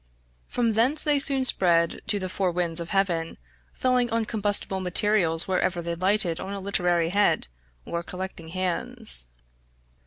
From thence they soon spread to the four winds of heaven, falling on combustible materials wherever they lighted on a literary head, or collecting hands.